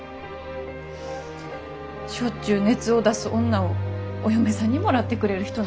しょっちゅう熱を出す女をお嫁さんにもらってくれる人なんか。